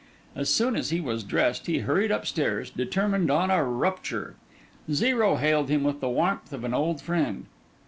As soon as he was dressed, he hurried upstairs, determined on a rupture. Zero hailed him with the warmth of an old friend.